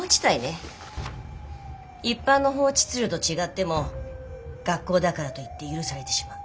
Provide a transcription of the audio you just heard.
一般の法秩序と違っても学校だからといって許されてしまう。